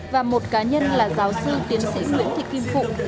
và một cá nhân là giáo sư tiến sĩ nguyễn thị kim phụng